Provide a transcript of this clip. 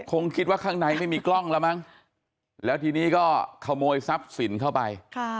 คงคิดว่าข้างในไม่มีกล้องแล้วมั้งแล้วทีนี้ก็ขโมยทรัพย์สินเข้าไป